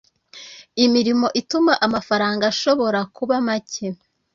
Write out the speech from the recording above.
Imirimo ituma amafaranga ashobora kuba make